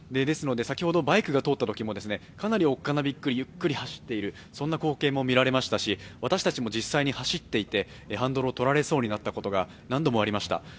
先ほどバイクが通ったときにも、かなりおっかなびっくり、ゆっくり走っているそんな光景も見られましたし私たちも実際に走っていてハンドルをとられそうになったことが何度もありました。